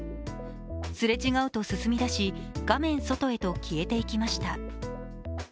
すれ違うと進みだし、画面外へと消えていきました。